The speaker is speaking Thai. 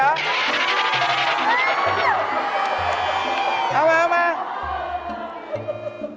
เอามา